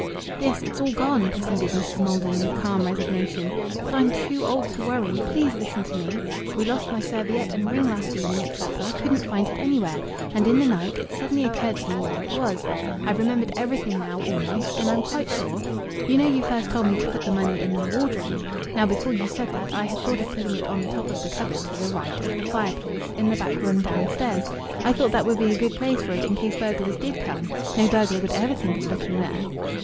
"Yes. It's all gone," proceeded Mrs. Maldon with calm resignation. "But I'm too old to worry. Please listen to me. We lost my serviette and ring last evening at supper. Couldn't find it anywhere. And in the night it suddenly occurred to me where it was. I've remembered everything now, almost, and I'm quite sure. You know you first told me to put the money in my wardrobe. Now before you said that, I had thought of putting it on the top of the cupboard to the right of the fireplace in the back room downstairs. I thought that would be a good place for it in case burglars did come. No burglar would ever think of looking there."